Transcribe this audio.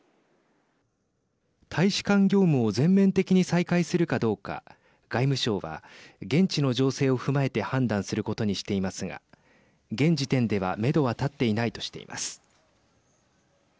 大使館業務を全面的に再開するかどうか外務省は、現地の情勢を踏まえて判断することにしていますが現時点では、めどは立っていないとしています。